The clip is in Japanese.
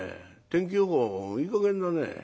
天気予報いいかげんだね。